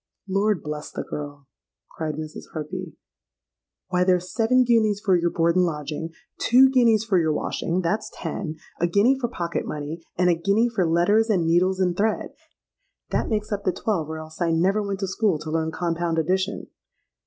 '—'Lord bless the girl!' cried Mrs. Harpy. 'Why, there's seven guineas for your board and lodging; two guineas for your washing; that's ten; a guinea for pocket money; and a guinea for letters and needles and thread; that makes up the twelve, or else I never went to school to learn compound addition.'